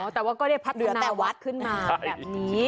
แต่ว่าก็ได้พัฒนาวัดขึ้นมาแบบนี้